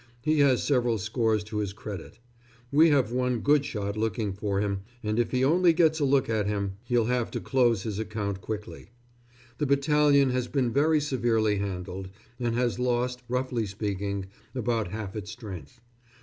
He has several scores to his credit. We have one good shot looking for him, and if he only gets a look at him he'll have to close his account quickly. The battalion has been very severely handled, and has lost, roughly speaking, about half its strength.